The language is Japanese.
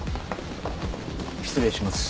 失礼します。